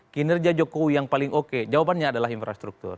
kinerja jokowi yang paling oke jawabannya adalah infrastruktur